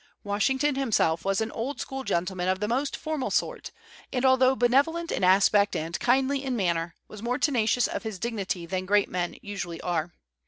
Washington himself was an old school gentleman of the most formal sort, and, although benevolent in aspect and kindly in manner, was more tenacious of his dignity than great men usually are.